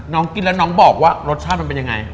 กินแล้วน้องบอกว่ารสชาติมันเป็นยังไง